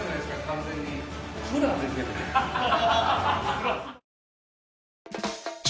ハハハハ！